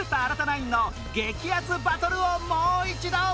ナインの激アツバトルをもう一度